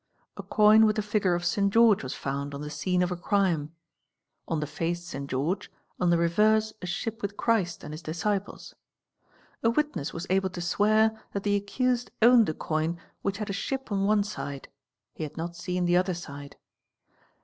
A coin with a figure of St. George was found on the scene of a ie (on the face St. George, on the reverse a ship with Christ and his ciples) ; a witness was able to swear that the accused owned a coin which had a ship on one side (he had not seen the other side).